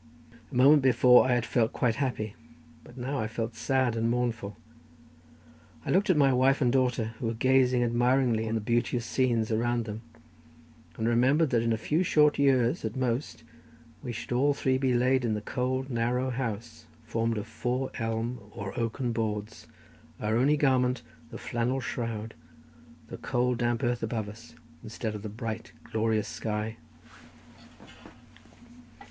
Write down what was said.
A moment before I had felt quite happy, but now I felt sad and mournful. I looked at my wife and daughter, who were gazing admiringly on the beauteous scenes around them, and remembered that, in a few short years at most, we should all three be laid in the cold, narrow house formed of four elm or oaken boards, our only garment the flannel shroud, the cold, damp earth above us instead of the bright, glorious sky.